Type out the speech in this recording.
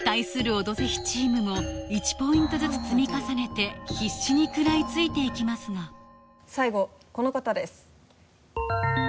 「オドぜひ」チームも１ポイントずつ積み重ねて必死に食らいついていきますが最後この方です。